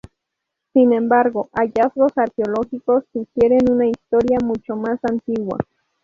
Sin embargo, hallazgos arqueológicos sugieren una historia mucho más antigua.